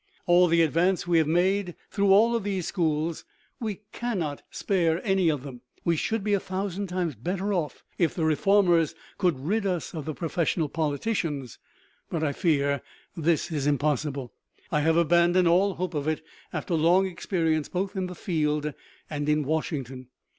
All the advance we have made is through all of these schools; we cannot spare any of them. We should be a thousand times better off if the reformers could rid us of the professional politicians, but I fear this is impossible. I have abandoned all hope of it, after long experience both in the field and in Washington.